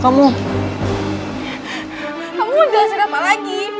kamu mau jelasin apa lagi